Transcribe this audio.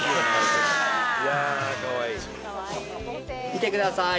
見てください